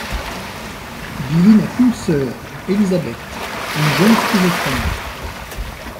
Billie n'a qu'une sœur, Elizabeth, une jeune schizophrène.